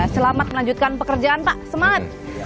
selamat melanjutkan pekerjaan pak semangat